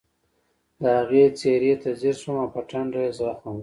د هغې څېرې ته ځیر شوم او په ټنډه یې زخم و